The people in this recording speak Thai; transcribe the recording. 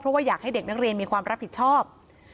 เพราะว่าอยากให้เด็กนักเรียนมีความรับผิดชอบ